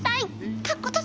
かっことじ！